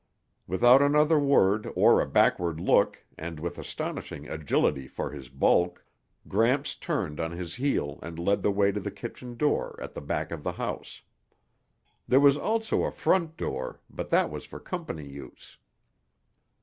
Without another word or a backward look and with astonishing agility for his bulk, Gramps turned on his heel and led the way to the kitchen door at the back of the house. There was also a front door, but that was for company use.